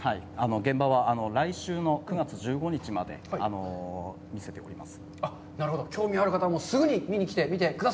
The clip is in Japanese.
現場は来週の９月１５日まで見せております。